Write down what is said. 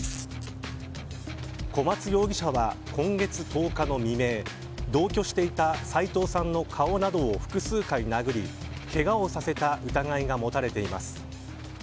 小松容疑者は、今月１０日の未明同居していた斎藤さんの顔などを複数回殴りけがをさせた疑いが持たれています。